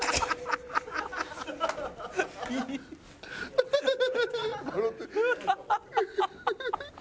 ハハハハ！